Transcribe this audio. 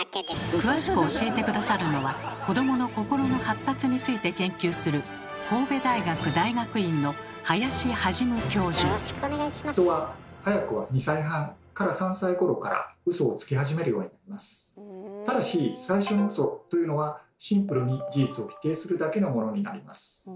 詳しく教えて下さるのは子どもの心の発達について研究するただし最初のウソというのはシンプルに事実を否定するだけのものになります。